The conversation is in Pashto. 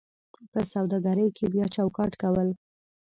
په سوداګرۍ کې بیا چوکاټ کول: